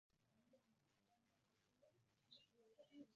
مالي أراك أخا الإيناس والسلم